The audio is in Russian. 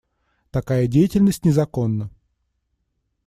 Такая деятельность незаконна.